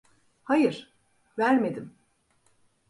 Hayır, vermedim.